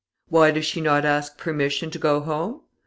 Why does she not ask permission to go home?